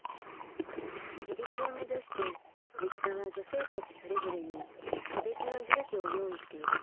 自立を目指してＪｉｋｋａは女性たちそれぞれに個別の住居を用意している。